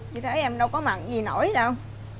chị thấy em đâu có mặn gì nổi đâu